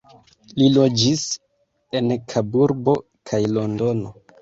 Li loĝis en Kaburbo kaj Londono.